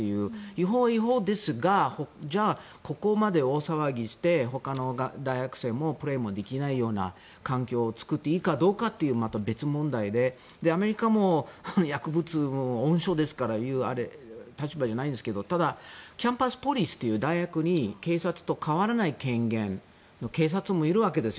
違法は違法ですがじゃあ、ここまで大騒ぎしてほかの大学生もプレーもできないような環境を作っていいかどうかという別問題でアメリカも薬物の温床ですから言える立場じゃないんですけどだからキャンパスポリスという警察と変わらない権限の警察もいるんです。